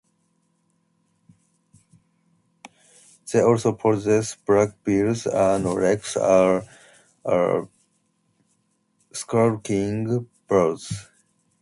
They also possess black bills and legs and are skulking birds.